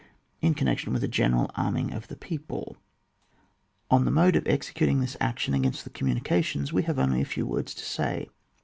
In connection with a general arm^ ing of the people. On the mode of executing this action against the communications, we have only a few words to say.